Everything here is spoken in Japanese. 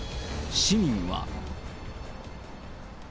市民は。